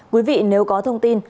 quý vị nếu có thông tin